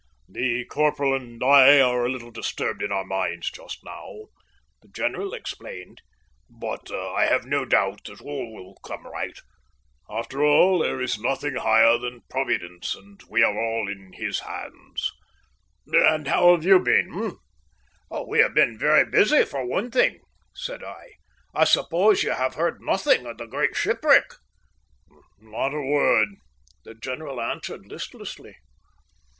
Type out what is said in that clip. "The corporal and I are a little disturbed in our minds just now," the general explained, "but I have no doubt that all will come right. After all, there is nothing higher than Providence, and we are all in His hands. And how have you been, eh?" "We have been very busy for one thing," said I. "I suppose you have heard nothing of the great shipwreck?" "Not a word," the general answered listlessly.